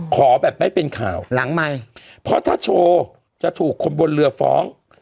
ขอแบบไม่เป็นข่าวหลังใหม่เพราะถ้าโชว์จะถูกคนบนเรือฟ้อง